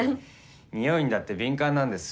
においにだって敏感なんです。